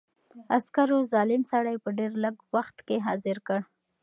عسکرو ظالم سړی په ډېر لږ وخت کې حاضر کړ.